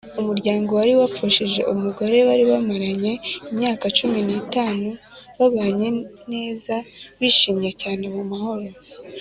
umuryango wari wapfushije umugore bari bamaranye imyaka cumi nitanu babanye neza bishimye cyane mu mahoro